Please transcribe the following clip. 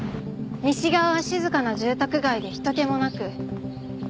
西側は静かな住宅街で人けもなく街灯も少ない。